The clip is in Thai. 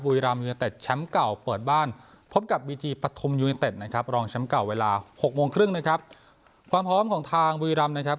บุรีลำยูงิเต็ดแชมป์เก่าเปิดบ้านพบกับวีจีพัทตุมยูงิเต็ดนะครับ